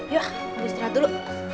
yuk ibu istirahat dulu